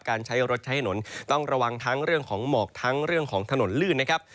การใช้รถใช้ถนนต้องระวังทั้งเรื่องของหมอกทั้งเรื่องของถนนลื่นนะครับ